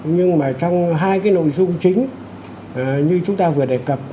nhưng mà trong hai cái nội dung chính như chúng ta vừa đề cập